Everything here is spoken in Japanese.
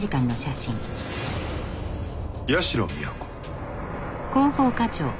社美彌子。